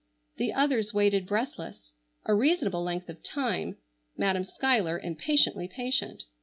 The others waited breathless, a reasonable length of time, Madam Schuyler impatiently patient.